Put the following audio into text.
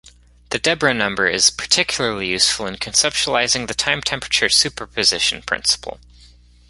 The Deborah Number is particularly useful in conceptualizing the time-temperature superposition principle.